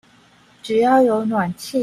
只要有暖氣